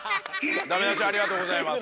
ダメだしありがとうございます。